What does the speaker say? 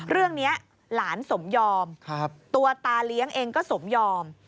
เรื่องนี้หลานสมยอมตัวตาเลี้ยงเองก็สมยอม